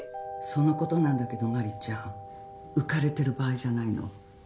そのことなんだけど真理ちゃん浮かれてる場合じゃないの。